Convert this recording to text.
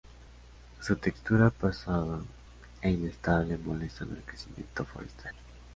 Su textura pesada e inestable molestan al crecimiento forestal.